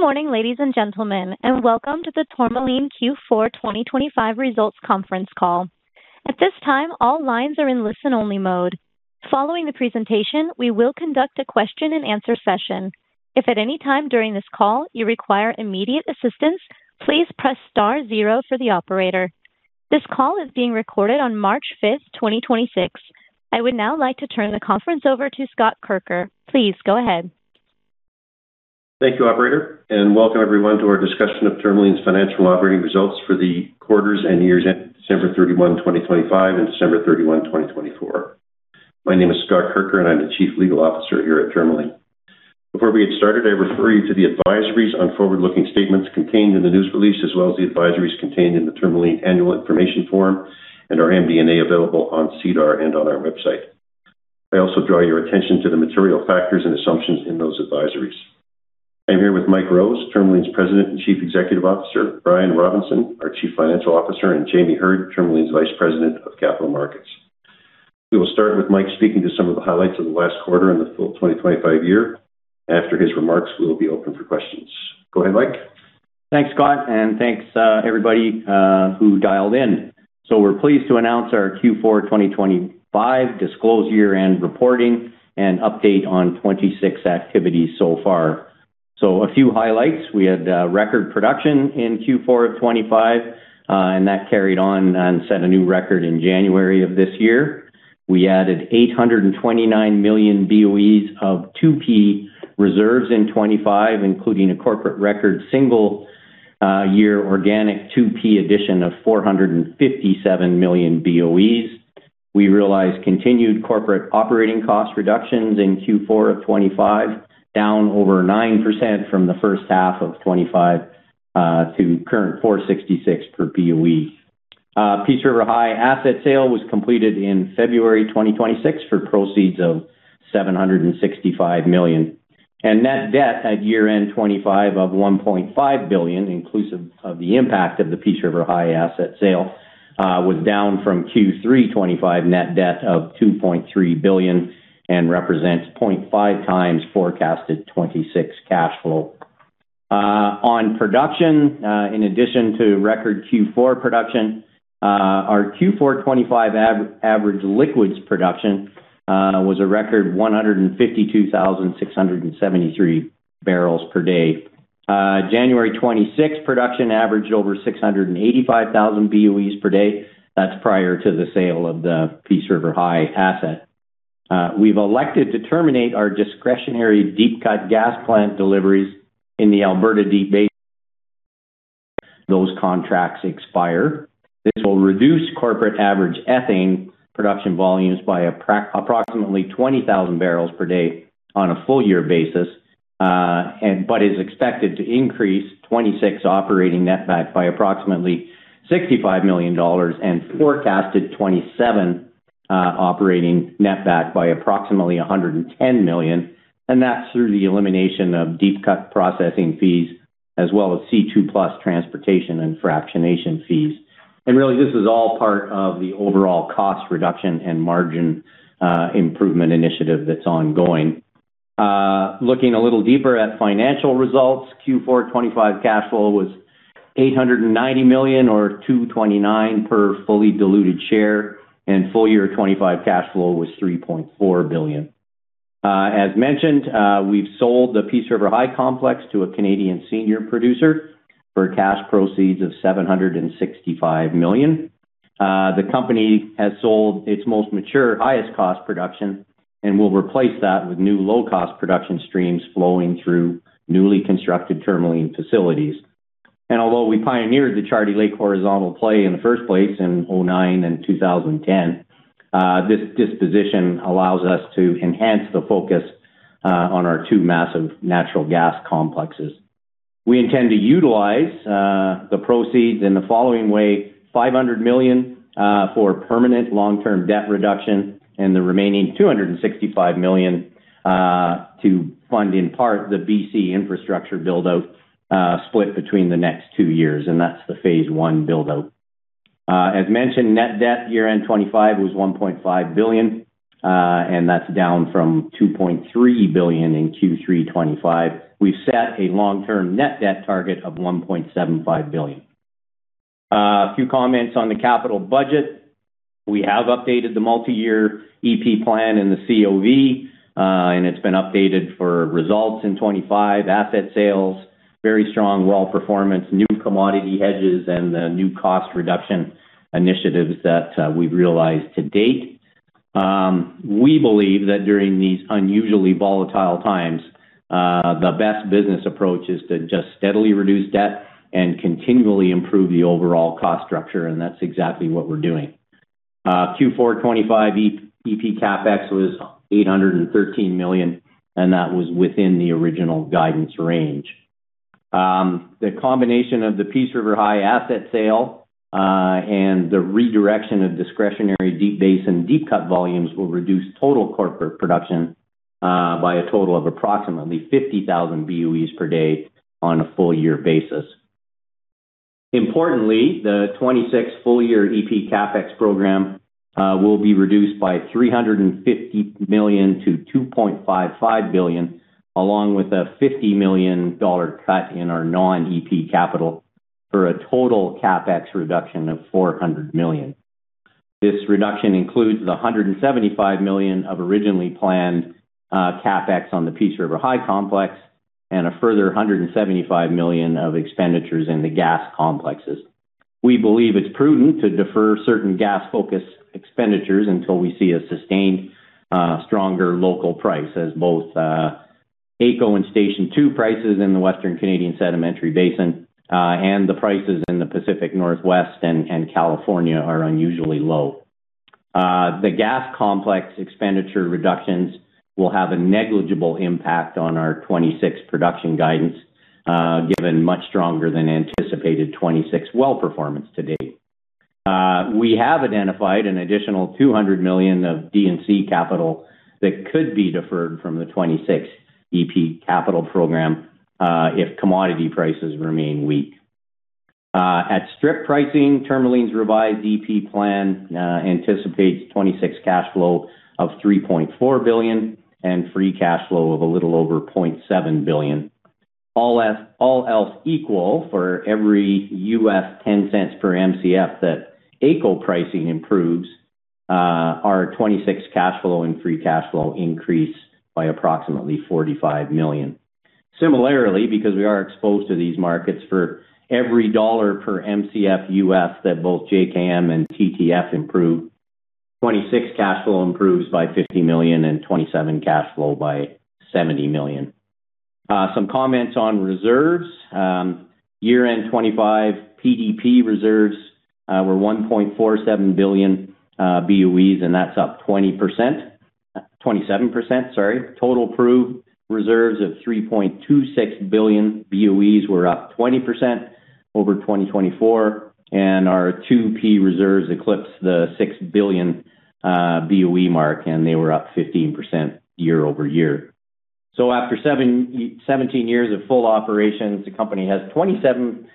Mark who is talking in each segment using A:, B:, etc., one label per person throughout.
A: Good morning, ladies and gentlemen, welcome to the Tourmaline Q4 2025 Results Conference Call. At this time, all lines are in listen-only mode. Following the presentation, we will conduct a question-and-answer session. If at any time during this call you require immediate assistance, please press star 0 for the operator. This call is being recorded on March fifth, 2026. I would now like to turn the conference over to Scott Kirker. Please go ahead.
B: Thank you, operator. Welcome everyone to our discussion of Tourmaline's financial operating results for the quarters and years end December 31, 2025 and December 31, 2024. My name is Scott Kirker and I'm the Chief Legal Officer here at Tourmaline. Before we get started, I refer you to the advisories on forward-looking statements contained in the news release, as well as the advisories contained in the Tourmaline annual information form and our MD&A available on SEDAR and on our website. I also draw your attention to the material factors and assumptions in those advisories. I'm here with Mike Rose, Tourmaline's President and Chief Executive Officer, Brian Robinson, our Chief Financial Officer, and Jamie Heard, Tourmaline's Vice President of Capital Markets. We will start with Mike speaking to some of the highlights of the last quarter and the full 2025 year. After his remarks, we will be open for questions. Go ahead, Mike.
C: Thanks, Scott, and thanks, everybody, who dialed in. We're pleased to announce our Q4 2025 disclose year-end reporting and update on 2026 activities so far. A few highlights. We had record production in Q4 of 2025, and that carried on and set a new record in January of this year. We added 829 million BOEs of 2P reserves in 2025, including a corporate record single year organic 2P addition of 457 million BOEs. We realized continued corporate operating cost reductions in Q4 of 2025, down over 9% from the first half of 2025, to current 4.66 per BOE. Peace River High asset sale was completed in February 2026 for proceeds of 765 million. Net debt at year-end 2025 of 1.5 billion, inclusive of the impact of the Peace River High asset sale, was down from Q3 2025 net debt of 2.3 billion and represents 0.5 times forecasted 2026 cash flow. On production, in addition to record Q4 production, our Q4 2025 average liquids production was a record 152,673 barrels per day. January 2026 production averaged over 685,000 BOEs per day. That's prior to the sale of the Peace River High asset. We've elected to terminate our discretionary deep-cut gas plant deliveries in the Alberta Deep Basin. Those contracts expire. This will reduce corporate average ethane production volumes by approximately 20,000 barrels per day on a full year basis, but is expected to increase 2026 operating net back by approximately 65 million dollars and forecasted 2027 operating net back by approximately 110 million. That's through the elimination of deep-cut processing fees as well as C2 plus transportation and fractionation fees. Really, this is all part of the overall cost reduction and margin improvement initiative that's ongoing. Looking a little deeper at financial results, Q4 2025 cash flow was 890 million or 2.29 per fully diluted share, full year 2025 cash flow was 3.4 billion. As mentioned, we've sold the Peace River High complex to a Canadian senior producer for cash proceeds of 765 million. The company has sold its most mature, highest cost production and will replace that with new low-cost production streams flowing through newly constructed Tourmaline facilities. Although we pioneered the Charlie Lake horizontal play in the first place in 2009 and 2010, this disposition allows us to enhance the focus on our two massive natural gas complexes. We intend to utilize the proceeds in the following way, 500 million for permanent long-term debt reduction and the remaining 265 million to fund in part the BC infrastructure build-out, split between the next two years, the phase one build-out. As mentioned, net debt year-end 2025 was 1.5 billion, down from 2.3 billion in Q3 2025. We've set a long-term net debt target of 1.75 billion. A few comments on the capital budget. We have updated the multi-year EP plan and the COV. It's been updated for results in 2025, asset sales, very strong well performance, new commodity hedges, and the new cost reduction initiatives that we've realized to date. We believe that during these unusually volatile times, the best business approach is to just steadily reduce debt and continually improve the overall cost structure. That's exactly what we're doing. Q4 2025 EP CapEx was 813 million. That was within the original guidance range. The combination of the Peace River High asset sale and the redirection of discretionary Deep Basin deep-cut volumes will reduce total corporate production by a total of approximately 50,000 BOEs per day on a full year basis. Importantly, the 2026 full year EP CapEx program will be reduced by 350 million to 2.55 billion, along with a 50 million dollar cut in our non-EP capital for a total CapEx reduction of 400 million. This reduction includes the 175 million of originally planned CapEx on the Peace River High Complex and a further 175 million of expenditures in the gas complexes. We believe it's prudent to defer certain gas-focused expenditures until we see a sustained stronger local price as both AECO and Station 2 prices in the Western Canadian Sedimentary Basin and the prices in the Pacific Northwest and California are unusually low. The gas complex expenditure reductions will have a negligible impact on our 2026 production guidance given much stronger than anticipated 2026 well performance to date. We have identified an additional 200 million of D&C capital that could be deferred from the 2026 EP capital program if commodity prices remain weak. At strip pricing, Tourmaline's revised EP plan anticipates 2026 cash flow of 3.4 billion and free cash flow of a little over 0.7 billion. All else equal, for every $0.10 per Mcf that AECO pricing improves, our 2026 cash flow and free cash flow increase by approximately $45 million. Similarly, because we are exposed to these markets for every $1 per Mcf that both JKM and TTF improve, 2026 cash flow improves by $50 million and 27 cash flow by $70 million. Some comments on reserves. Year-end 25 PDP reserves were 1.47 billion BOEs, and that's up 20%. 27%, sorry. Total proved reserves of 3.26 billion BOEs were up 20% over 2024, and our 2P reserves eclipsed the six billion BOE mark, and they were up 15% year-over-year. After 17 years of full operations, the company has 27.7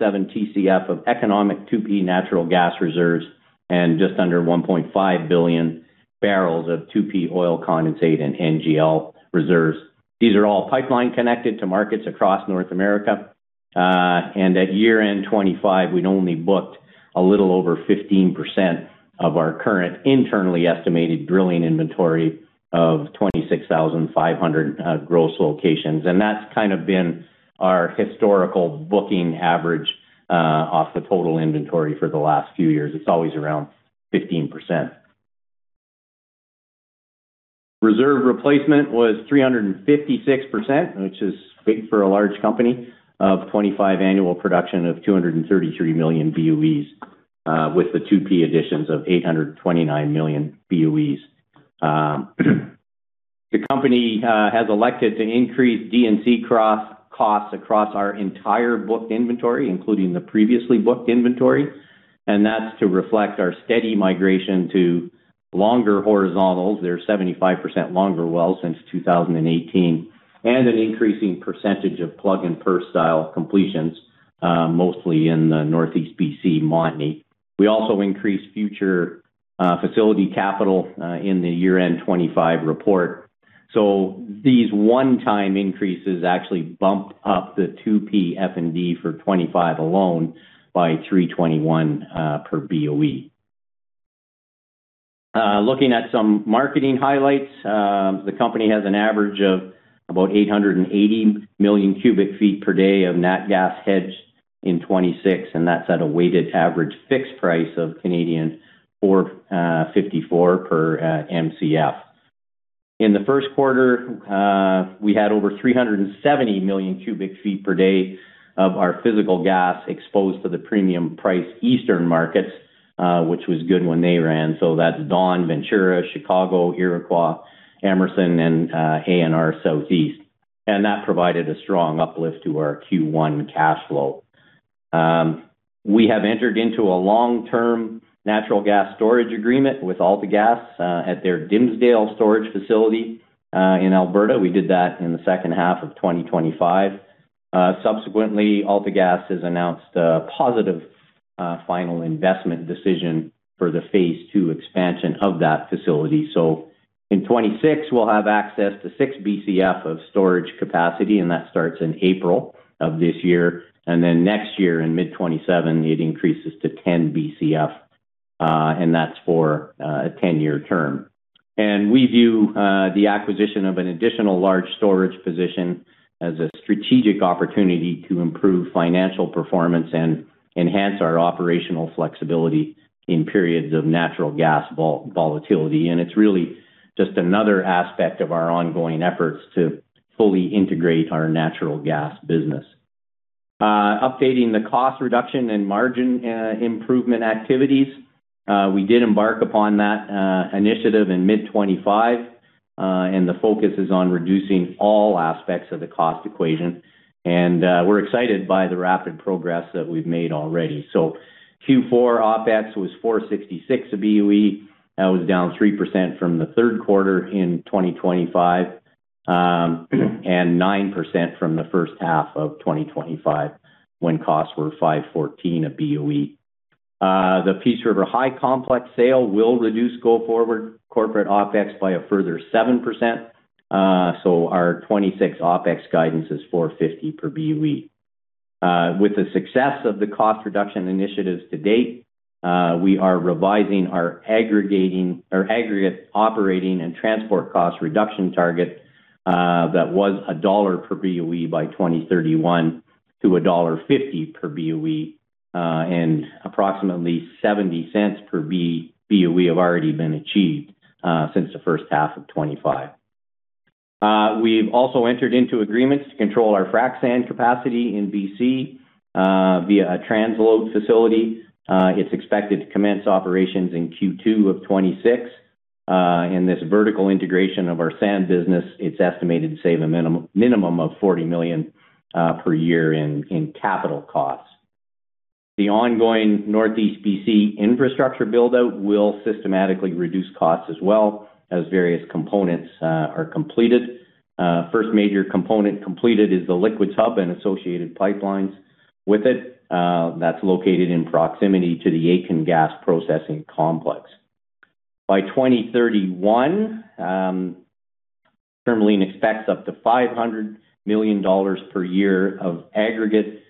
C: Tcf of economic 2P natural gas reserves and just under 1.5 billion barrels of 2P oil condensate and NGL reserves. These are all pipeline connected to markets across North America. At year-end 2025, we'd only booked a little over 15% of our current internally estimated drilling inventory of 26,500 gross locations. That's kind of been our historical booking average off the total inventory for the last few years. It's always around 15%. Reserve replacement was 356%, which is big for a large company of 2025 annual production of 233 million BOEs with the 2P additions of 829 million BOEs. The company has elected to increase D&C costs across our entire book inventory, including the previously booked inventory, and that's to reflect our steady migration to longer horizontals. They're 75% longer wells since 2018, and an increasing percentage of plug-and-perf style completions, mostly in the Northeast BC Montney. We also increased future facility capital in the year-end 2025 report. These one-time increases actually bump up the 2P F&D for 2025 alone by 3.21 per BOE. Looking at some marketing highlights, the company has an average of about 880 million cubic feet per day of nat gas hedged in 2026, and that's at a weighted average fixed price of 4.54 per Mcf. In the Q1, we had over 370 million cubic feet per day of our physical gas exposed to the premium price Eastern markets, which was good when they ran. That's Dawn, Ventura, Chicago, Iroquois, Emerson, and ANR Southeast. That provided a strong uplift to our Q1 cash flow. We have entered into a long-term natural gas storage agreement with AltaGas at their Dimsdale storage facility in Alberta. We did that in the second half of 2025. Subsequently, AltaGas has announced a positive final investment decision for the Phase II expansion of that facility. In 2026, we'll have access to six Bcf of storage capacity, and that starts in April of this year. Next year, in mid-2027, it increases to 10 Bcf, and that's for a 10 year term. We view the acquisition of an additional large storage position as a strategic opportunity to improve financial performance and enhance our operational flexibility in periods of natural gas volatility. It's really just another aspect of our ongoing efforts to fully integrate our natural gas business. Updating the cost reduction and margin improvement activities. We did embark upon that initiative in mid-2025, and the focus is on reducing all aspects of the cost equation. We're excited by the rapid progress that we've made already. Q4 OpEx was $4.66 a BOE. That was down 3% from the Q3 in 2025. And 9% from the first half of 2025 when costs were $5.14 a BOE. The Peace River High complex sale will reduce go forward corporate OpEx by a further 7%. Our 2026 OpEx guidance is $4.50 per BOE. With the success of the cost reduction initiatives to date, we are revising our aggregate operating and transport cost reduction target that was $1 per BOE by 2031 to $1.50 per BOE. Approximately 70 cents per BOE have already been achieved since the first half of 2025. We've also entered into agreements to control our frac sand capacity in BC via a transload facility. It's expected to commence operations in Q2 of 2026. In this vertical integration of our sand business, it's estimated to save a minimum of $40 million per year in capital costs. The ongoing Northeast BC infrastructure build-out will systematically reduce costs as well as various components are completed. First major component completed is the liquids hub and associated pipelines with it. That's located in proximity to the Aitken gas processing complex. By 2031, Tourmaline expects up to 500 million dollars per year of aggregate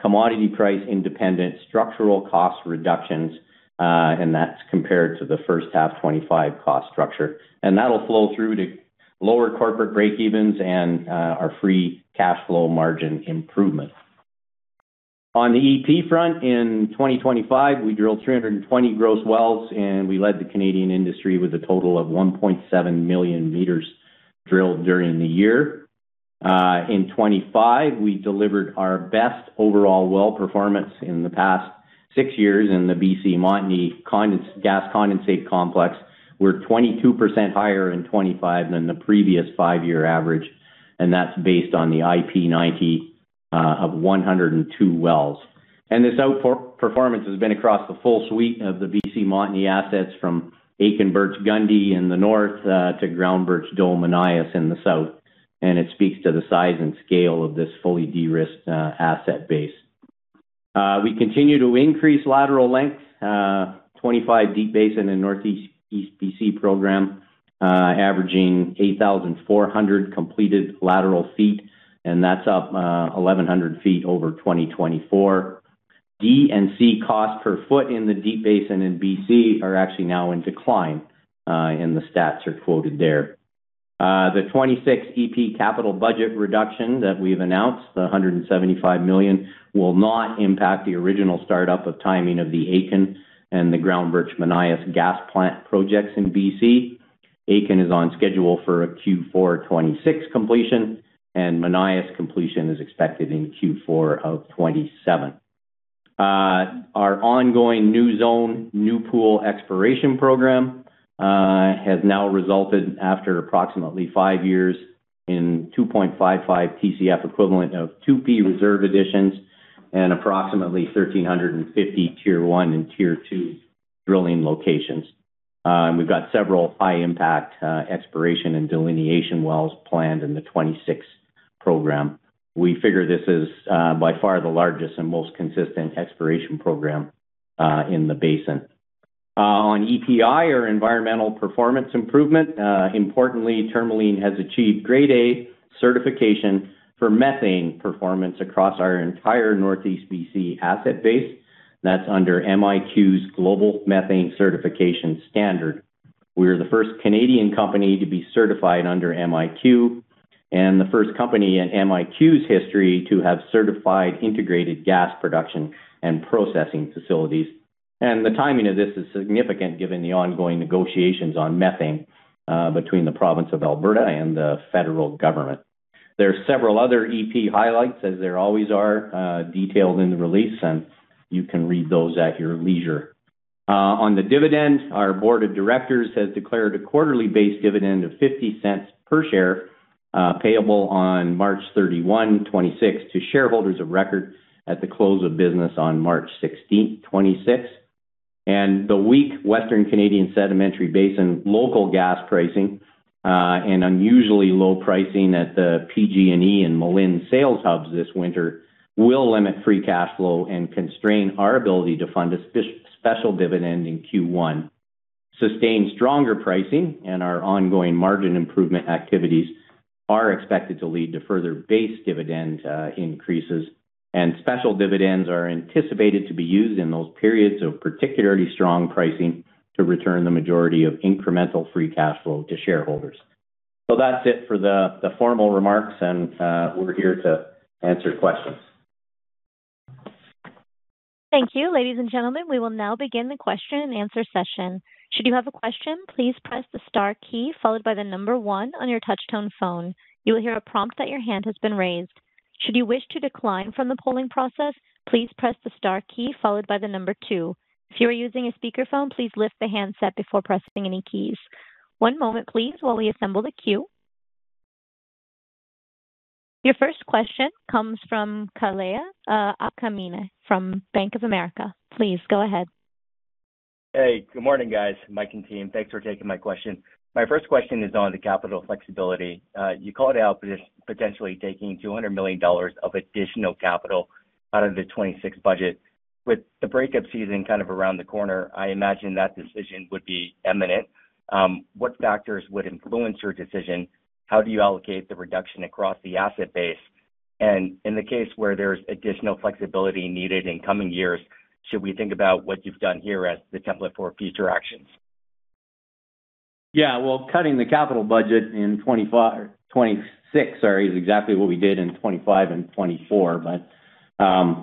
C: commodity price, independent structural cost reductions, and that's compared to the first half 2025 cost structure. That'll flow through to lower corporate break-evens and our free cash flow margin improvement. On the EP front in 2025, we drilled 320 gross wells, and we led the Canadian industry with a total of 1.7 million meters drilled during the year. In 2025, we delivered our best overall well performance in the past six years in the BC Montney gas condensate complex. We're 22% higher in 2025 than the previous five year average, and that's based on the IP90 of 102 wells. This outper-performance has been across the full suite of the BC Montney assets from Aitken, Birch, Gundy in the north, to Groundbirch, Doe, Monias in the south. It speaks to the size and scale of this fully de-risked asset base. We continue to increase lateral length, 2025 Deep Basin in Northeast BC program, averaging 8,400 completed lateral feet, and that's up 1,100 feet over 2024. D&C cost per foot in the Deep Basin in BC are actually now in decline, and the stats are quoted there. The 2026 EP capital budget reduction that we've announced, the 175 million, will not impact the original start-up of timing of the Aitken and the Groundbirch-Monias gas plant projects in BC. Aitken is on schedule for a Q4 2026 completion, and Monias completion is expected in Q4 2027. Our ongoing new zone, new pool exploration program has now resulted after approximately five years in 2.55 Tcf equivalent of 2P reserve additions and approximately 1,350 Tier 1 and Tier 2 drilling locations. We've got several high impact exploration and delineation wells planned in the 2026 program. We figure this is by far the largest and most consistent exploration program in the basin. On EPI or environmental performance improvement, importantly, Tourmaline has achieved grade A certification for methane performance across our entire Northeast BC asset base. That's under MiQ's Global Methane Certification Standard. We are the first Canadian company to be certified under MiQ and the first company in MiQ's history to have certified integrated gas production and processing facilities. The timing of this is significant given the ongoing negotiations on methane between the province of Alberta and the federal government. There are several other EP highlights, as there always are, detailed in the release, and you can read those at your leisure. On the dividend, our board of directors has declared a quarterly-based dividend of 0.50 per share, payable on March 31, 2026 to shareholders of record at the close of business on March 16, 2026. The weak Western Canadian Sedimentary Basin local gas pricing, and unusually low pricing at the PG&E and Malin sales hubs this winter will limit free cash flow and constrain our ability to fund a special dividend in Q1. Sustained stronger pricing and our ongoing margin improvement activities are expected to lead to further base dividend increases, and special dividends are anticipated to be used in those periods of particularly strong pricing to return the majority of incremental free cash flow to shareholders. That's it for the formal remarks and we're here to answer questions.
A: Thank you. Ladies and gentlemen, we will now begin the question and answer session. Should you have a question, please press the star key followed by the number one on your touch tone phone. You will hear a prompt that your hand has been raised. Should you wish to decline from the polling process, please press the star key followed by the number two. If you are using a speakerphone, please lift the handset before pressing any keys. One moment please while we assemble the queue. Your first question comes from Kalei Akamine from Bank of America. Please go ahead.
D: Hey, good morning, guys. Mike and team, thanks for taking my question. My first question is on the capital flexibility. You called out potentially taking 200 million dollars of additional capital out of the 2026 budget. With the breakup season kind of around the corner, I imagine that decision would be eminent. What factors would influence your decision? How do you allocate the reduction across the asset base? In the case where there's additional flexibility needed in coming years, should we think about what you've done here as the template for future actions?
C: Well, cutting the capital budget in 2026, sorry, is exactly what we did in 2025 and 2024.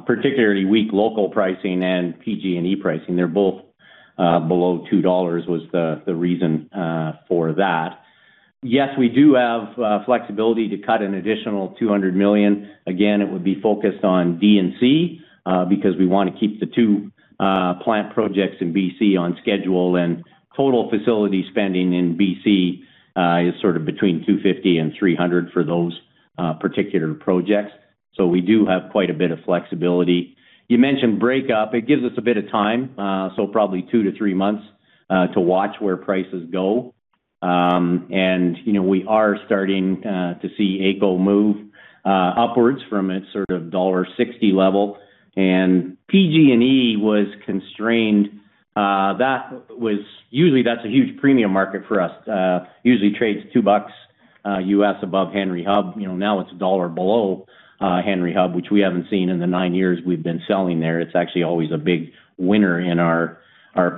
C: Particularly weak local pricing and PG&E pricing, they're both below 2 dollars, was the reason for that. Yes, we do have flexibility to cut an additional 200 million. Again, it would be focused on D&C because we want to keep the two plant projects in BC on schedule. Total facility spending in BC is sort of between 250 million and 300 million for those particular projects. We do have quite a bit of flexibility. You mentioned breakup. It gives us a bit of time, so probably two to three months to watch where prices go. You know, we are starting to see AECO move upwards from its sort of dollar 1.60 level. PG&E was constrained. Usually, that's a huge premium market for us. Usually trades $2 US above Henry Hub. You know, now it's $1 below Henry Hub, which we haven't seen in the nine years we've been selling there. It's actually always a big winner in our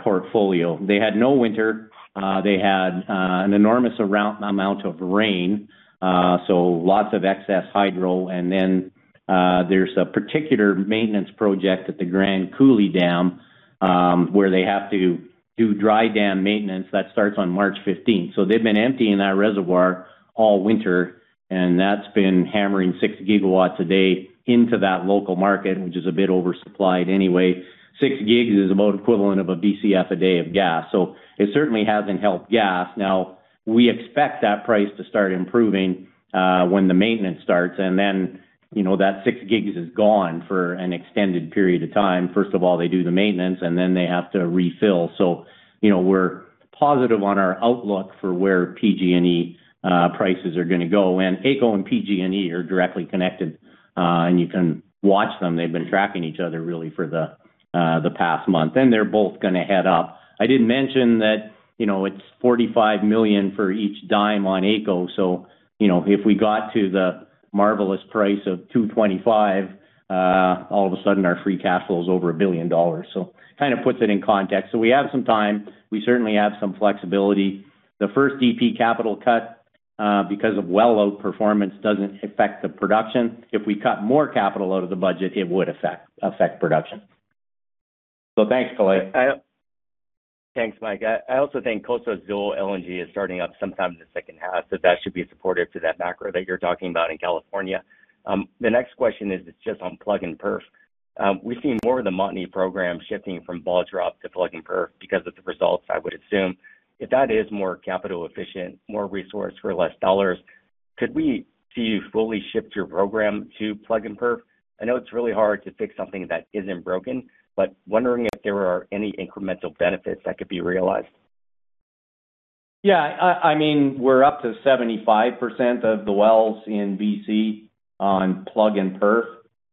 C: portfolio. They had no winter. They had an enormous amount of rain, so lots of excess hydro. There's a particular maintenance project at the Grand Coulee Dam, where they have to do dry dam maintenance that starts on March 15. They've been emptying that reservoir all winter, and that's been hammering 6 GW a day into that local market, which is a bit oversupplied anyway. Six gigs is about equivalent of a BCF a day of gas. It certainly hasn't helped gas. We expect that price to start improving, when the maintenance starts, and then, you know, that six gigs is gone for an extended period of time. First of all, they do the maintenance, and then they have to refill. You know, we're positive on our outlook for where PG&E prices are gonna go. AECO and PG&E are directly connected, and you can watch them. They've been tracking each other really for the past month, and they're both gonna head up. I did mention that, you know, it's 45 million for each $0.10 on AECO, you know, if we got to the marvelous price of 2.25, all of a sudden our free cash flow is over 1 billion dollars. Kind of puts it in context. We have some time. We certainly have some flexibility. The first DP capital cut, because of well low performance doesn't affect the production. If we cut more capital out of the budget, it would affect production. Thanks, Kalei.
D: Thanks, Mike. I also think LNG Canada is starting up sometime in the second half, that should be supportive to that macro that you're talking about in California. The next question is just on plug-and-perf. We've seen more of the Montney program shifting from ball-drop to plug-and-perf because of the results, I would assume. If that is more capital efficient, more resource for less dollars, could we see you fully shift your program to plug-and-perf? I know it's really hard to fix something that isn't broken, wondering if there are any incremental benefits that could be realized.
C: Yeah, I mean, we're up to 75% of the wells in BC on plug-and-perf.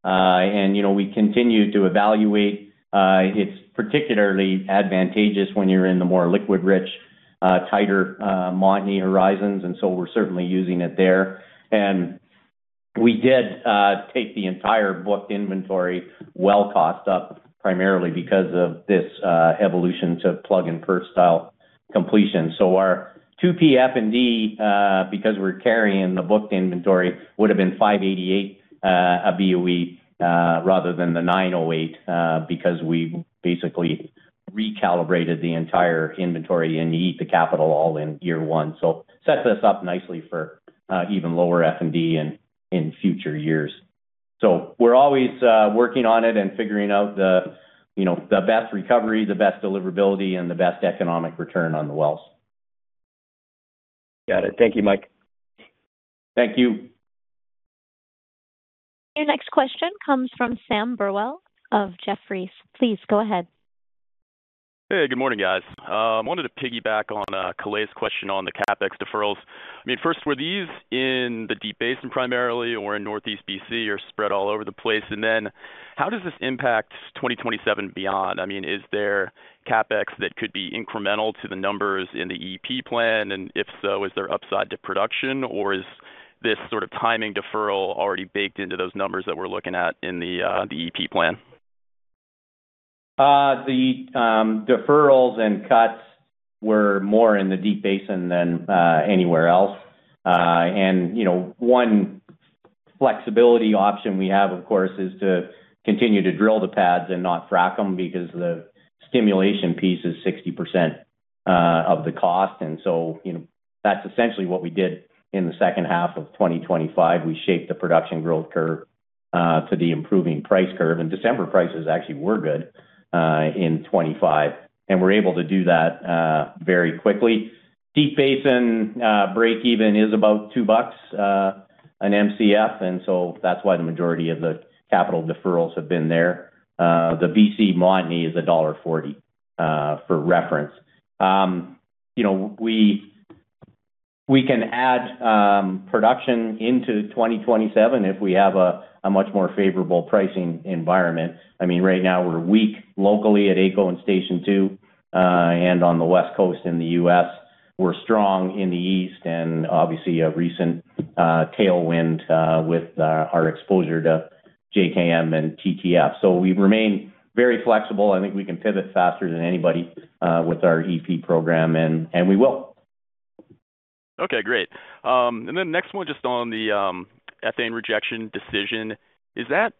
C: You know, we continue to evaluate. It's particularly advantageous when you're in the more liquid-rich, tighter, Montney horizons, we're certainly using it there. We did take the entire booked inventory well cost up primarily because of this evolution to plug-and-perf style completion. Our 2P F&D, because we're carrying the booked inventory, would have been 5.88 a BOE, rather than the 9.08, because we basically recalibrated the entire inventory and eat the capital all in year one. Sets us up nicely for even lower F&D in future years. We're always working on it and figuring out the, you know, the best recovery, the best deliverability, and the best economic return on the wells.
D: Got it. Thank you, Mike.
C: Thank you.
A: Your next question comes from Sam Burwell of Jefferies. Please go ahead.
E: Hey, good morning, guys. Wanted to piggyback on Kalei's question on the CapEx deferrals. I mean, first, were these in the Deep Basin primarily or in Northeast BC or spread all over the place? Then how does this impact 2027 beyond? I mean, is there CapEx that could be incremental to the numbers in the EP plan? If so, is there upside to production, or is this sort of timing deferral already baked into those numbers that we're looking at in the EP plan?
C: The deferrals and cuts were more in the Deep Basin than anywhere else. You know, one flexibility option we have, of course, is to continue to drill the pads and not frack them because the stimulation piece is 60% of the cost. You know, that's essentially what we did in the second half of 2025. We shaped the production growth curve to the improving price curve. December prices actually were good in 2025, and we're able to do that very quickly. Deep Basin breakeven is about 2 bucks an Mcf, and so that's why the majority of the capital deferrals have been there. The BC Montney is dollar 1.40 for reference. You know, we can add production into 2027 if we have a much more favorable pricing environment. I mean, right now we're weak locally at AECO and Station 2, and on the West Coast in the U.S. We're strong in the East and obviously a recent tailwind with our exposure to JKM and TTF. We remain very flexible. I think we can pivot faster than anybody with our EP program and we will.
E: Okay, great. Next one just on the ethane rejection decision. Is that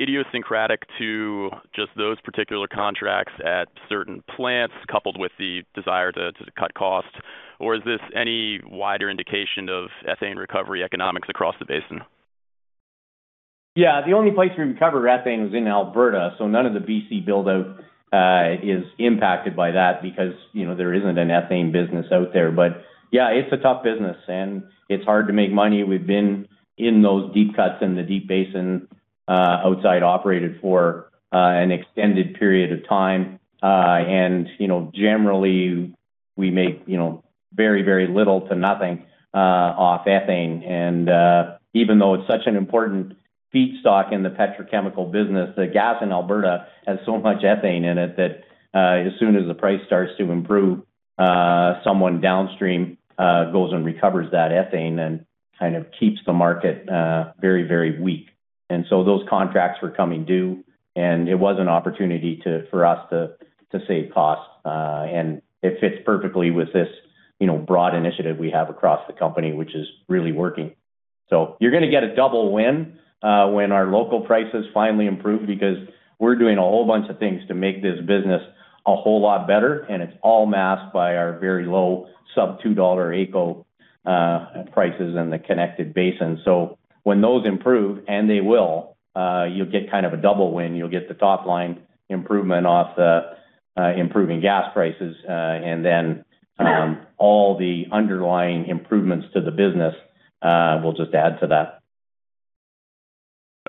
E: idiosyncratic to just those particular contracts at certain plants coupled with the desire to cut costs? Or is this any wider indication of ethane recovery economics across the basin?
C: The only place we recover ethane was in Alberta, so none of the BC build-out is impacted by that because, you know, there isn't an ethane business out there. It's a tough business and it's hard to make money. We've been in those deep cuts in the Deep Basin outside operated for an extended period of time. And you know, generally we make, you know, very, very little to nothing off ethane. Even though it's such an important feedstock in the petrochemical business, the gas in Alberta has so much ethane in it that as soon as the price starts to improve, someone downstream goes and recovers that ethane and kind of keeps the market very, very weak. Those contracts were coming due, and it was an opportunity for us to save costs. It fits perfectly with this, you know, broad initiative we have across the company, which is really working. You're gonna get a double win when our local prices finally improve, because we're doing a whole bunch of things to make this business a whole lot better, and it's all masked by our very low sub 2 dollar AECO prices in the connected basin. When those improve, and they will, you'll get kind of a double win. You'll get the top line improvement off the improving gas prices, and then, all the underlying improvements to the business will just add to that.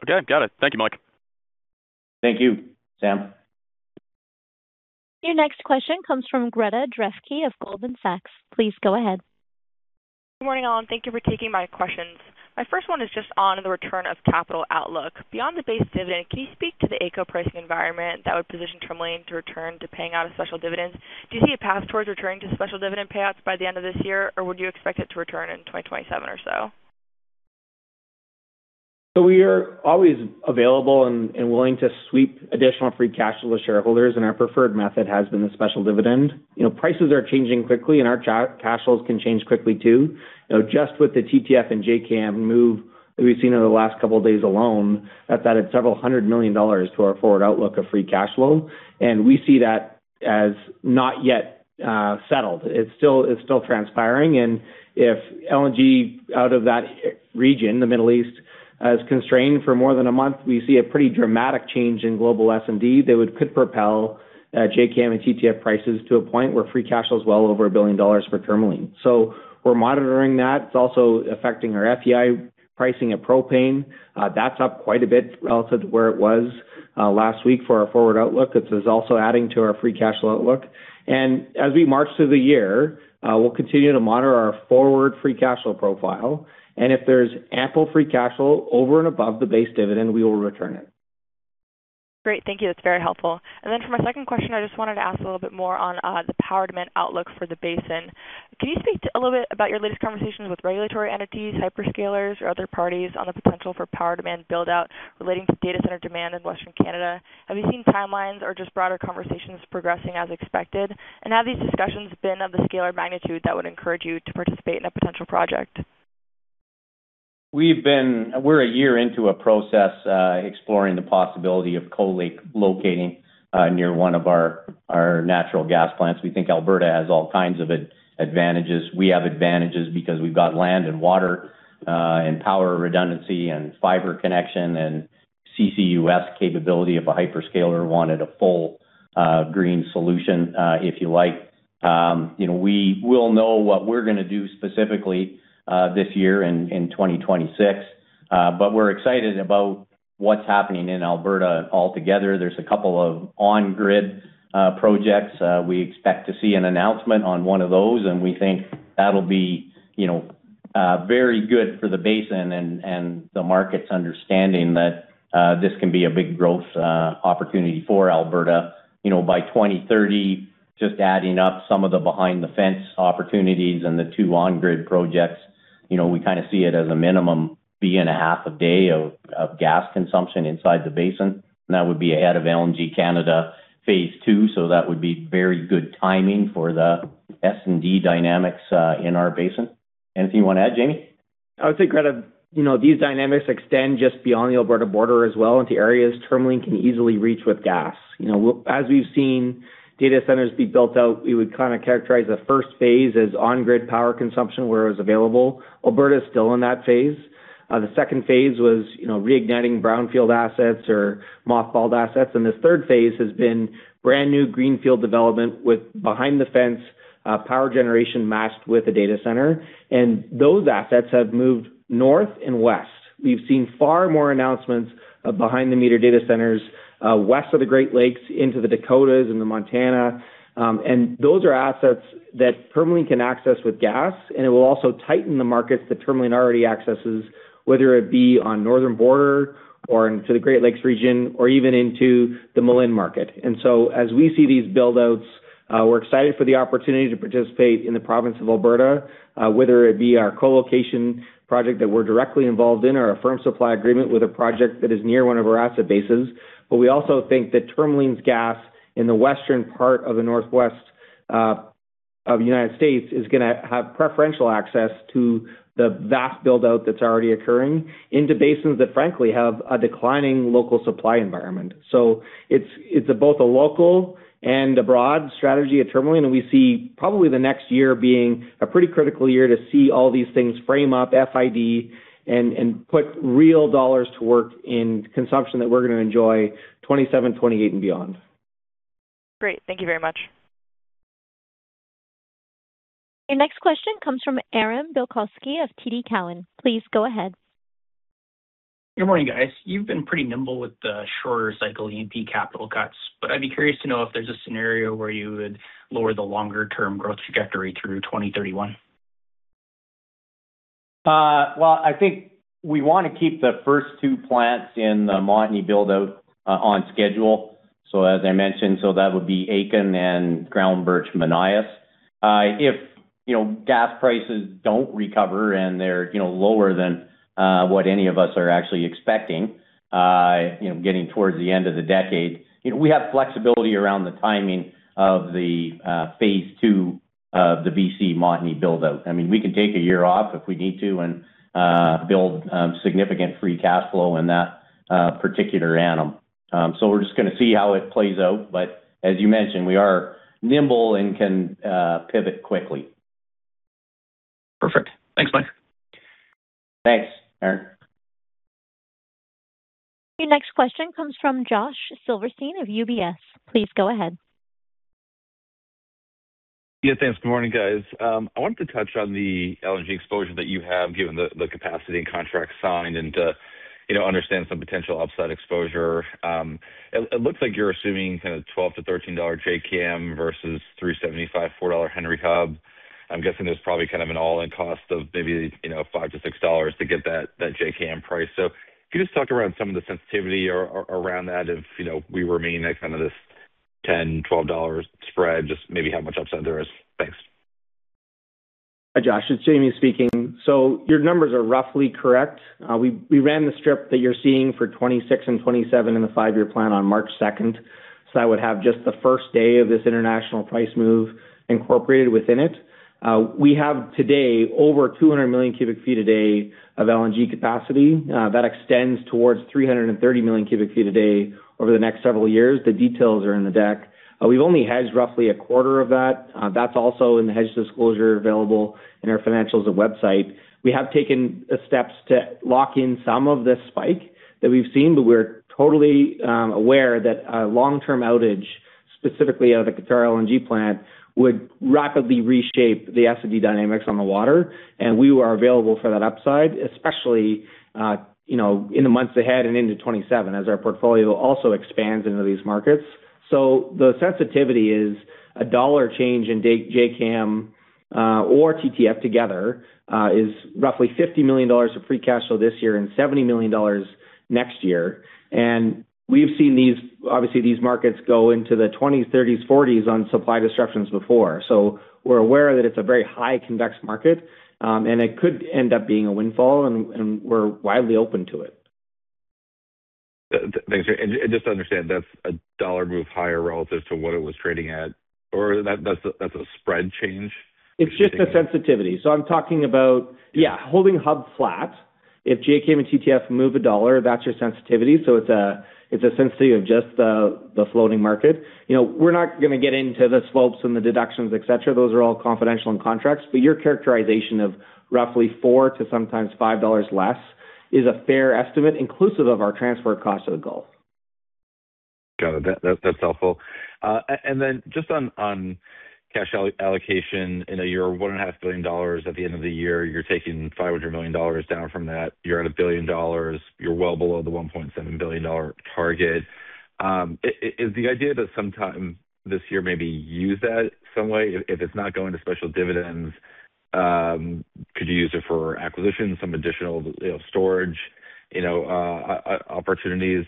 E: Okay. Got it. Thank you, Mike.
C: Thank you, Sam.
A: Your next question comes from Greta Drefke of Goldman Sachs. Please go ahead.
F: Good morning, all. Thank you for taking my questions. My first one is just on the return of capital outlook. Beyond the base dividend, can you speak to the AECO pricing environment that would position Tourmaline to return to paying out a special dividend? Do you see a path towards returning to special dividend payouts by the end of this year, or would you expect it to return in 2027 or so?
C: We are always available and willing to sweep additional free cash flow to shareholders, and our preferred method has been the special dividend. You know, prices are changing quickly and our cash flows can change quickly too. You know, just with the TTF and JKM move that we've seen over the last couple of days alone, that's added several hundred million CAD to our forward outlook of free cash flow. We see that as not yet settled. It's still transpiring. If LNG out of that region, the Middle East, is constrained for more than a month, we see a pretty dramatic change in global S&D. They could propel JKM and TTF prices to a point where free cash flow is well over 1 billion dollars for Tourmaline. We're monitoring that. It's also affecting our FPI pricing of propane. That's up quite a bit relative to where it was last week for our forward outlook. This is also adding to our free cash flow outlook. As we march through the year, we'll continue to monitor our forward free cash flow profile, and if there's ample free cash flow over and above the base dividend, we will return it.
F: Great. Thank you. That's very helpful. Then for my second question, I just wanted to ask a little bit more on the power demand outlook for the basin. Can you speak a little bit about your latest conversations with regulatory entities, hyperscalers or other parties on the potential for power demand build-out relating to data center demand in Western Canada? Have you seen timelines or just broader conversations progressing as expected? Have these discussions been of the scale or magnitude that would encourage you to participate in a potential project?
C: We're a year into a process, exploring the possibility of co-locating near one of our natural gas plants. We think Alberta has all kinds of advantages. We have advantages because we've got land and water, and power redundancy and fiber connection and CCUS capability of a hyperscaler wanted a full, green solution, if you like. You know, we will know what we're gonna do specifically this year in 2026. We're excited about what's happening in Alberta altogether. There's a couple of on-grid projects. We expect to see an announcement on one of those, and we think that'll be, you know, very good for the basin and the market's understanding that this can be a big growth opportunity for Alberta. You know, by 2030, just adding up some of the behind the fence opportunities and the two on-grid projects, you know, we kinda see it as a minimum 1.5 Bcf a day of gas consumption inside the basin. That would be ahead of LNG Canada phase II. That would be very good timing for the S&D dynamics in our basin. Anything you wanna add, Jamie?
G: I would say, Greta, you know, these dynamics extend just beyond the Alberta border as well into areas Tourmaline can easily reach with gas. You know, as we've seen data centers be built out, we would kind of characterize the first phase as on grid power consumption where it was available. Alberta is still in that phase. The second phase was, you know, reigniting brownfield assets or mothballed assets. This third phase has been brand new greenfield development with behind the fence power generation matched with a data center. Those assets have moved north and west. We've seen far more announcements of behind the meter data centers west of the Great Lakes into the Dakotas and the Montana. And those are assets that Tourmaline can access with gas, and it will also tighten the markets that Tourmaline already accesses, whether it be on northern border or into the Great Lakes region or even into the Malin market. As we see these build outs, we're excited for the opportunity to participate in the province of Alberta, whether it be our co-location project that we're directly involved in or a firm supply agreement with a project that is near one of our asset bases. We also think that Tourmaline's gas in the western part of the northwest of the United States is gonna have preferential access to the vast build out that's already occurring into basins that frankly have a declining local supply environment. It's both a local and a broad strategy at Tourmaline, and we see probably the next year being a pretty critical year to see all these things frame up FID and put real dollars to work in consumption that we're gonna enjoy 2027, 2028 and beyond.
F: Great. Thank you very much.
A: Your next question comes from Aaron Bilkoski of TD Cowen. Please go ahead.
H: Good morning, guys. You've been pretty nimble with the shorter cycle E&P capital cuts. I'd be curious to know if there's a scenario where you would lower the longer term growth trajectory through 2031.
C: Well, I think we wanna keep the first two plants in the Montney build out on schedule. As I mentioned, so that would be Aitken and Groundbirch-Monias. If, you know, gas prices don't recover and they're, you know, lower than what any of us are actually expecting, you know, getting towards the end of the decade, you know, we have flexibility around the timing of the phase two of the BC Montney build out. I mean, we can take a year off if we need to and build significant free cash flow in that particular annum. We're just gonna see how it plays out. As you mentioned, we are nimble and can pivot quickly.
H: Perfect. Thanks. Bye.
C: Thanks, Aaron.
A: Your next question comes from Josh Silverstein of UBS. Please go ahead.
I: Yeah, thanks. Good morning, guys. I wanted to touch on the LNG exposure that you have given the capacity and contracts signed and to, you know, understand some potential upside exposure. It looks like you're assuming kind of $12-$13 JKM versus $3.75-$4 Henry Hub. I'm guessing there's probably kind of an all in cost of maybe, you know, $5-$6 to get that JKM price. Can you just talk around some of the sensitivity around that if, you know, we remain at kind of this $10-$12 spread, just maybe how much upside there is? Thanks.
G: Hi, Josh, it's Jamie speaking. Your numbers are roughly correct. We ran the strip that you're seeing for 2026 and 2027 in the five year plan on March 2nd. That would have just the first day of this international price move incorporated within it. We have today over 200 million cubic feet a day of LNG capacity that extends towards 330 million cubic feet a day over the next several years. The details are in the deck. We've only hedged roughly a quarter of that. That's also in the hedge disclosure available in our financials and website. We have taken steps to lock in some of this spike that we've seen, but we're totally aware that a long term outage, specifically out of the Qatar LNG plant, would rapidly reshape the S&D dynamics on the water. We are available for that upside, especially, you know, in the months ahead and into 2027 as our portfolio also expands into these markets. The sensitivity is a CAD dollar change in JKM or TTF together is roughly 50 million dollars of free cash flow this year and 70 million dollars next year. We've seen obviously these markets go into the 20s, 30s, 40s on supply disruptions before. We're aware that it's a very high convex market, and it could end up being a windfall and we're widely open to it.
I: Thanks. Just to understand, that's a CAD 1 move higher relative to what it was trading at or that's a, that's a spread change?
G: It's just a sensitivity. I'm talking about, yeah, holding Hub flat. If JKM and TTF move $1, that's your sensitivity. It's a sensitivity of just the floating market. You know, we're not gonna get into the slopes and the deductions, et cetera. Those are all confidential in contracts. Your characterization of roughly $4-$5 less is a fair estimate, inclusive of our transfer cost to the Gulf.
I: Got it. That's helpful. Just on cash allocation. In a year, 1.5 billion dollars at the end of the year, you're taking 500 million dollars down from that. You're at 1 billion dollars. You're well below the 1.7 billion dollar target. Is the idea that sometime this year maybe use that some way? If it's not going to special dividends, could you use it for acquisitions, some additional, you know, storage, you know, opportunities?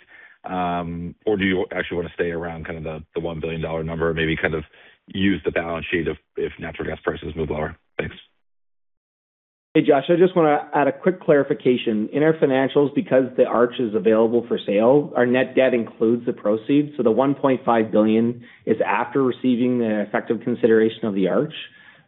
I: Do you actually want to stay around kind of the 1 billion dollar number, maybe kind of use the balance sheet if natural gas prices move lower? Thanks.
G: Hey, Josh, I just want to add a quick clarification. In our financials, because the Arch is available for sale, our net debt includes the proceeds. The 1.5 billion is after receiving the effective consideration of the Arch.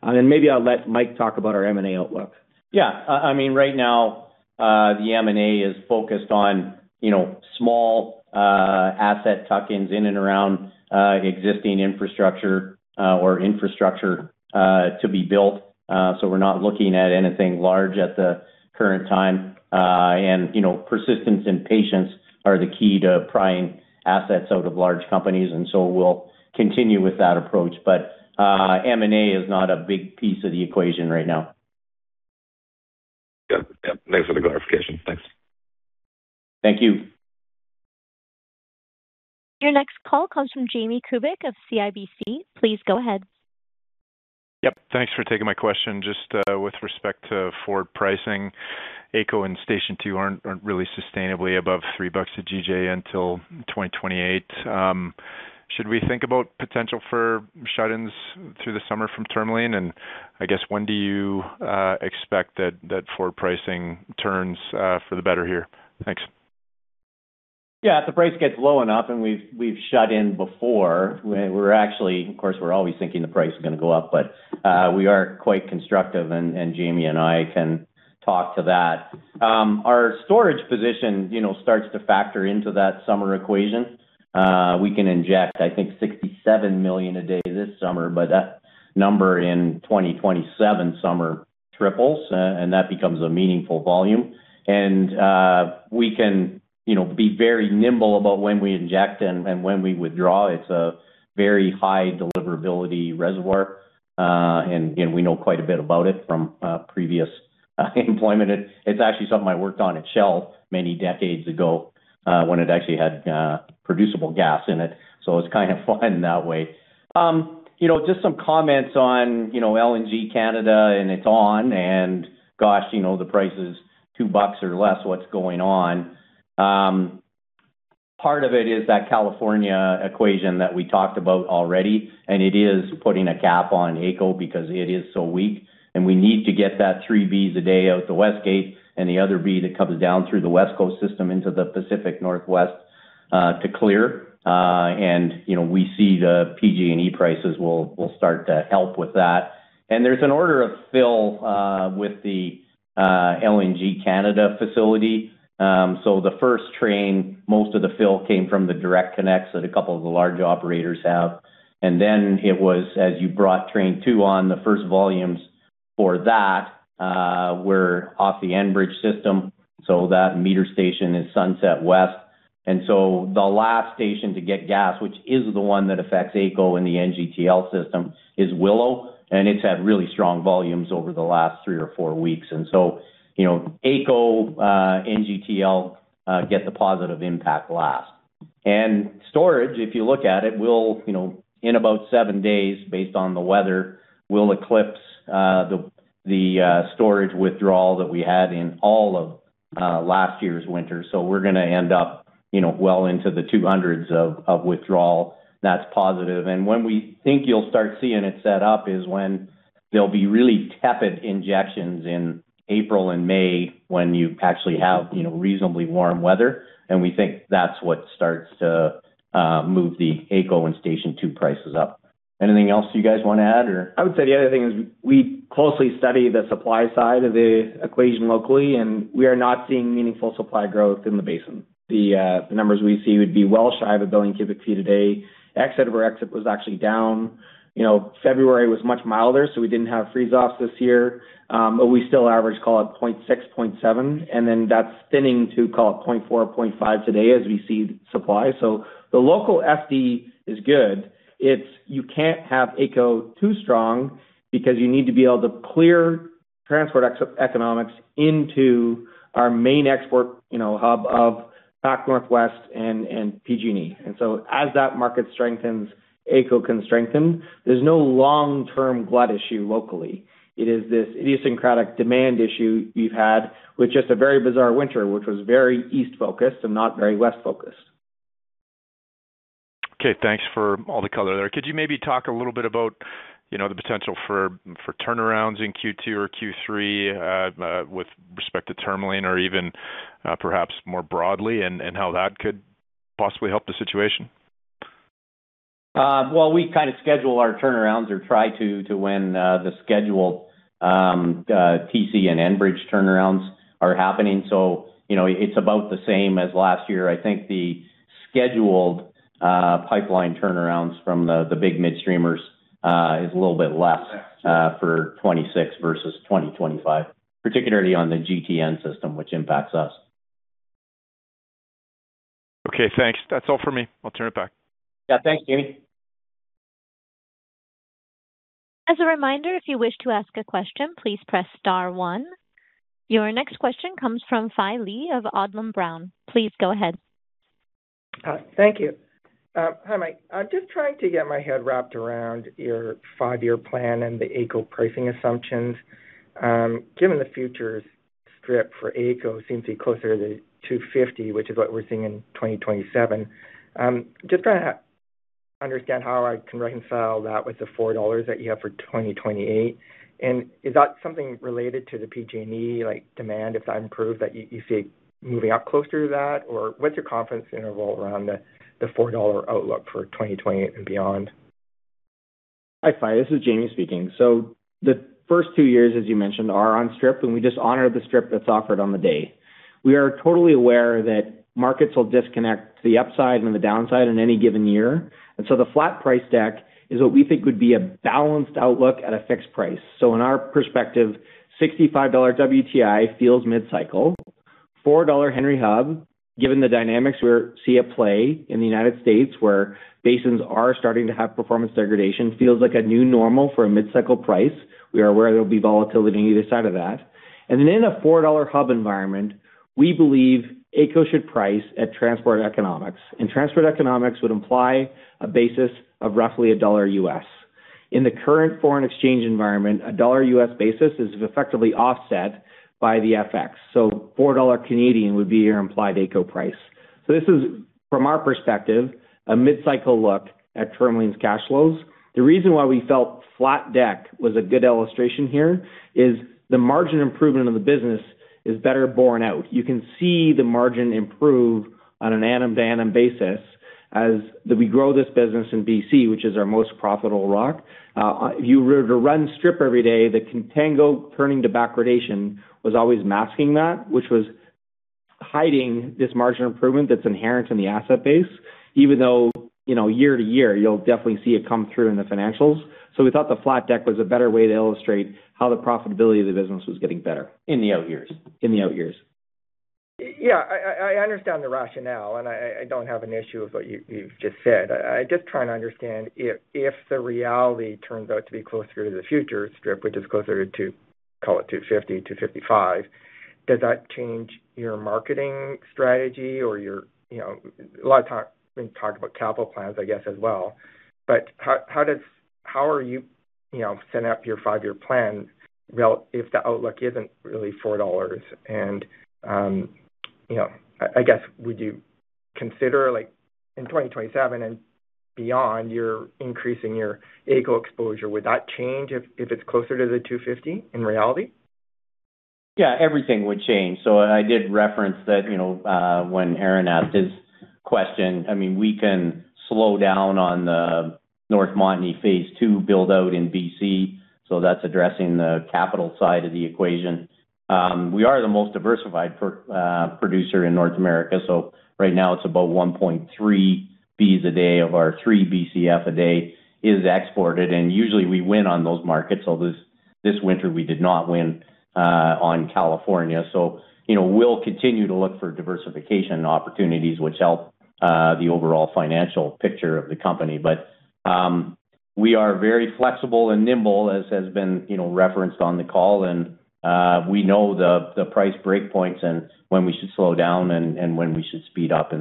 G: Maybe I'll let Mike talk about our M&A outlook.
C: Yeah. I mean, right now, the M&A is focused on, you know, small, asset tuck-ins in and around, existing infrastructure, or infrastructure, to be built. We're not looking at anything large at the current time. You know, persistence and patience are the key to prying assets out of large companies, and so we'll continue with that approach. M&A is not a big piece of the equation right now.
I: Yeah. Yeah. Thanks for the clarification. Thanks.
C: Thank you.
A: Your next call comes from Jamie Kubik of CIBC. Please go ahead.
J: Yep. Thanks for taking my question. Just, with respect to forward pricing, AECO and Station 2 aren't really sustainably above 3 bucks a GJ until 2028. Should we think about potential for shut-ins through the summer from Tourmaline? I guess when do you expect that forward pricing turns for the better here? Thanks.
C: Yeah. If the price gets low enough, we've shut in before, of course, we're always thinking the price is gonna go up, we are quite constructive and Jamie and I can talk to that. Our storage position, you know, starts to factor into that summer equation. We can inject, I think, 67 million a day this summer, that number in 2027 summer triples, and that becomes a meaningful volume. We can, you know, be very nimble about when we inject and when we withdraw. It's a very high deliverability reservoir. And we know quite a bit about it from previous employment. It's actually something I worked on at Shell many decades ago, when it actually had producible gas in it. It's kind of fun that way. you know, just some comments on, you know, LNG Canada, and it's on, and gosh, you know, the price is 2 bucks or less, what's going on? Part of it is that California equation that we talked about already, and it is putting a cap on AECO because it is so weak, and we need to get that three Bcf a day out the West gate and the other Bcf that comes down through the Westcoast system into the Pacific Northwest to clear. you know, we see the PG&E prices will start to help with that. There's an order of fill with the LNG Canada facility. the first train, most of the fill came from the direct connects that a couple of the large operators have. It was as you brought train two on the first volumes for that were off the Enbridge system, so that meter station is Sunset West. The last station to get gas, which is the one that affects AECO and the NGTL system, is Willow, and it's had really strong volumes over the last three or four weeks. You know, AECO, NGTL get the positive impact last. Storage, if you look at it, will, you know, in about seven days, based on the weather, will eclipse the storage withdrawal that we had in all of last year's winter. We're gonna end up, you know, well into the 200s of withdrawal. That's positive. When we think you'll start seeing it set up is when there'll be really tepid injections in April and May when you actually have, you know, reasonably warm weather. We think that's what starts to move the AECO and Station 2 prices up. Anything else you guys wanna add or?
G: I would say the other thing is we closely study the supply side of the equation locally, and we are not seeing meaningful supply growth in the basin. The numbers we see would be well shy of one billion cubic feet a day. Exit over exit was actually down. You know, February was much milder, so we didn't have freeze-offs this year. We still average, call it 0.6, 0.7, and then that's thinning to, call it, 0.4, 0.5 today as we see supply. The local F&D is good. It's, you can't have AECO too strong because you need to be able to clear transport ex-economics into our main export, you know, hub of Pac Northwest and PG&E. As that market strengthens, AECO can strengthen. There's no long-term glut issue locally. It is this idiosyncratic demand issue we've had with just a very bizarre winter, which was very east-focused and not very west-focused.
J: Okay. Thanks for all the color there. Could you maybe talk a little bit about, you know, the potential for turnarounds in Q2 or Q3 with respect to Tourmaline or even perhaps more broadly and how that could possibly help the situation?
C: We kind of schedule our turnarounds or try to when the scheduled TC and Enbridge turnarounds are happening. You know, it's about the same as last year. I think the scheduled pipeline turnarounds from the big midstreamers is a little bit less for 2026 versus 2025, particularly on the GTN system, which impacts us.
J: Okay, thanks. That's all for me. I'll turn it back.
C: Yeah. Thanks, Jamie.
A: As a reminder, if you wish to ask a question, please press star one. Your next question comes from Fai Lee of Odlum Brown. Please go ahead.
K: Thank you. Hi, Mike. I'm just trying to get my head wrapped around your five year plan and the AECO pricing assumptions. Given the futures strip for AECO seems to be closer to 2.50, which is what we're seeing in 2027. Just trying to understand how I can reconcile that with the 4.00 dollars that you have for 2028. Is that something related to the PG&E like demand, if that improved, that you see it moving up closer to that? Or what's your confidence interval around the 4.00 dollar outlook for 2020 and beyond?
G: Hi, this is Jamie speaking. The first two years, as you mentioned, are on strip, and we just honor the strip that's offered on the day. We are totally aware that markets will disconnect the upside and the downside in any given year. The flat price deck is what we think would be a balanced outlook at a fixed price. In our perspective, $65 WTI feels mid-cycle. $4 Henry Hub, given the dynamics we see at play in the United States, where basins are starting to have performance degradation, feels like a new normal for a mid-cycle price. We are aware there will be volatility on either side of that. In a $4 hub environment, we believe AECO should price at transport economics, and transport economics would imply a basis of roughly $1 U.S. In the current foreign exchange environment, a dollar U.S. basis is effectively offset by the FX. Four CAD would be your implied AECO price. This is, from our perspective, a mid-cycle look at Tourmaline's cash flows. The reason why we felt flat deck was a good illustration here is the margin improvement of the business is better borne out. You can see the margin improve on an annum-to-annum basis. As we grow this business in BC, which is our most profitable rock, if you were to run strip every day, the contango turning to backwardation was always masking that, which was hiding this margin improvement that's inherent in the asset base, even though, you know, year to year, you'll definitely see it come through in the financials. We thought the flat deck was a better way to illustrate how the profitability of the business was getting better.
K: In the out years.
G: In the out years.
K: Yeah, I understand the rationale, and I don't have an issue with what you've just said. I just trying to understand if the reality turns out to be closer to the future strip, which is closer to, call it 2.50, 2.55, does that change your marketing strategy or your, you know, a lot of times when you talk about capital plans, I guess, as well. How are you know, setting up your five-year plan if the outlook isn't really 4.00 dollars and, you know, I guess, would you consider, like in 2027 and beyond, you're increasing your AECO exposure. Would that change if it's closer to the 2.50 in reality?
G: Yeah, everything would change. I did reference that, you know, when Aaron asked his question. I mean, we can slow down on the North Montney phase two build-out in BC. That's addressing the capital side of the equation. We are the most diversified producer in North America. Right now it's about 1.3 Bcf a day of our three Bcf a day is exported. Usually we win on those markets, although this winter we did not win on California. You know, we'll continue to look for diversification opportunities which help the overall financial picture of the company. We are very flexible and nimble, as has been, you know, referenced on the call, and we know the price breakpoints and when we should slow down and when we should speed up.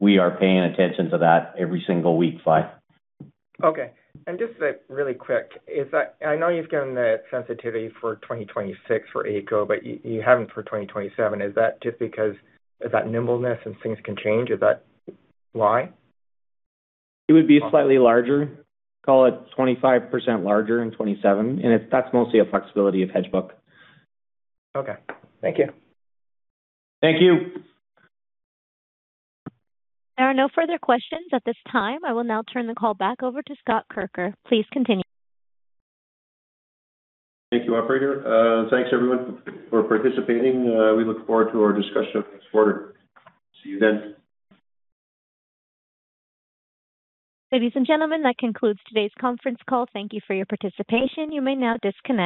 G: We are paying attention to that every single week, Fai Lee.
K: Okay. Just, like, really quick is that I know you've given the sensitivity for 2026 for AECO, but you haven't for 2027. Is that just because of that nimbleness and things can change? Is that why?
G: It would be slightly larger, call it 25% larger in 2027, that's mostly a flexibility of hedge book.
K: Okay. Thank you.
G: Thank you.
A: There are no further questions at this time. I will now turn the call back over to Scott Kirker. Please continue.
B: Thank you, operator. Thanks, everyone, for participating. We look forward to our discussion next quarter. See you then.
A: Ladies and gentlemen, that concludes today's conference call. Thank you for your participation. You may now disconnect.